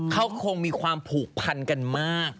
เขาคงมีความผูกพันกันมาก